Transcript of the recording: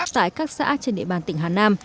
tại các xã trên địa bàn tỉnh hà nam